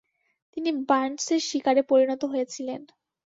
তিনি বার্নসের শিকারে পরিণত হয়েছিলেন।